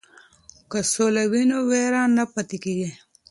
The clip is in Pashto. که سوله وي نو وېره نه پاتې کیږي.